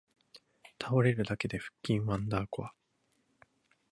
倒れるだけで腹筋ワンダーコア